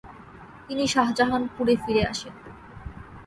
তিনি শাহজাহানপুরে ফিরে আসেন।